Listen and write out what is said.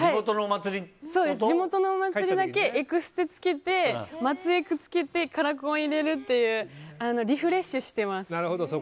地元のお祭りだけエクステをつけてまつエクをつけてカラコン入れるっていうリフレッシュしてます。